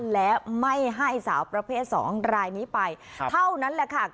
และไม่ให้สาวประเภทสองรายนี้ไปเท่านั้นแหละค่ะ